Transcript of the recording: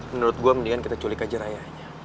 menurut gue mendingan kita culik aja raya